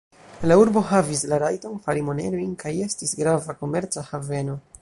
La urbo havis la rajton fari monerojn kaj estis grava komerca haveno.